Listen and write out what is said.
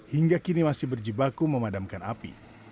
hingga kini masih berjibaku memadamkan api